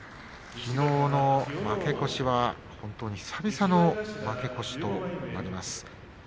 きのうの負け越しは久々の負け越しとなりました。